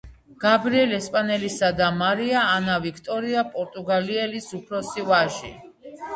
გაბრიელ ესპანელისა და მარია ანა ვიქტორია პორტუგალიელის უფროსი ვაჟი.